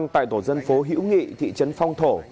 tại tổ dân phố hữu nghị thị trấn phong thổ